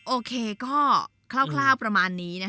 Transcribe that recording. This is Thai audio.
โอเคก็คร่าวประมาณนี้นะคะ